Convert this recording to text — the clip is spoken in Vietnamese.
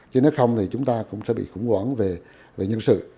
chứ nếu không thì chúng ta cũng sẽ bị khủng hoảng về nhân sự